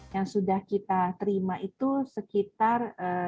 yang sudah kita terima itu sekitar tiga ratus delapan puluh tujuh